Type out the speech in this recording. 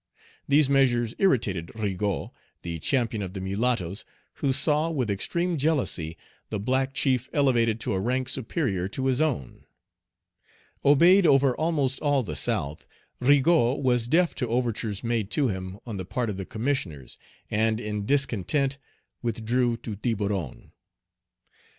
These measures irritated Rigaud, the champion of the mulattoes, who saw, with extreme jealousy, the black chief elevated to a rank superior to his own. Obeyed over almost all the South, Rigaud was deaf to overtures made to him on the part of the Commissioners, and in discontent withdrew to Tiburon.